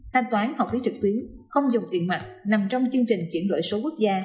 thanh toán học phí trực tuyến không dùng tiền mặt nằm trong chương trình chuyển đổi số quốc gia